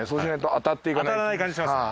当たらない感じしますよね。